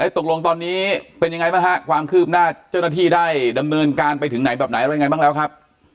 ตกลงตอนนี้เป็นยังไงบ้างฮะความคืบหน้าเจ้าหน้าที่ได้ดำเนินการไปถึงไหนแบบไหนอะไรยังไงบ้างแล้วครับ